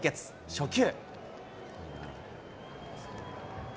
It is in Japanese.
初球。